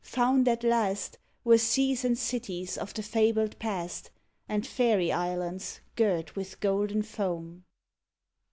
Found at last Were seas and cities of the fabled past, And faery islands girt with golden foam.